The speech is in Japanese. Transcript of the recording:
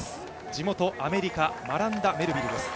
地元アメリカ、マランダ・メルビルです。